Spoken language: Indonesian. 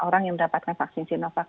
orang yang mendapatkan vaksin sinovac